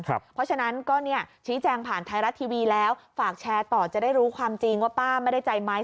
เพราะฉะนั้นก็ชี้แจงผ่านไทยรัฐทีวีแล้วฝากแชร์ต่อจะได้รู้ความจริงว่าป้าไม่ได้ใจไหม